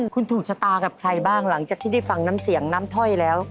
คุณถูกชะตากับใครบ้างหลังจากที่ได้ฟังน้ำเสียงน้ำถ้อยแล้ว